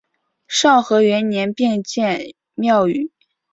昭和元年并新建庙宇。